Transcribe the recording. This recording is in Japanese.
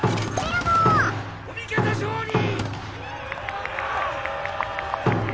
・お味方勝利！